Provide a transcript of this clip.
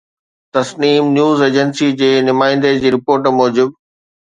Tasneem news agency جي نمائندي جي رپورٽ موجب.